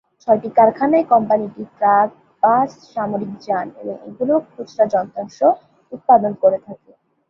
ছয়টি কারখানায় কোম্পানিটি ট্রাক, বাস, সামরিক যান এবং এগুলোর খুচরা যন্ত্রাংশ উৎপাদন করে থাকে।